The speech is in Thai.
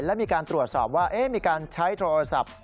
และมีการตรวจสอบว่ามีการใช้โทรศัพท์